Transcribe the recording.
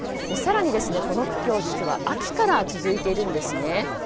更にこの苦境実は秋から続いているんですね。